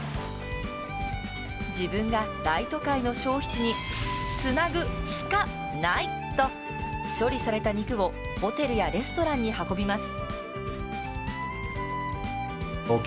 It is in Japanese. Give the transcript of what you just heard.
自分が大都会の消費地につなぐシカないと処理された肉をホテルやレストランに運びます。